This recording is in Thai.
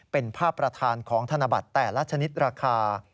เป็นภาพประธานของธนบัตรแต่ละชนิดราคา